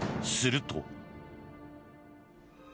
すると。